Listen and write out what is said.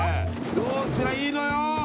どうすりゃいいのよ！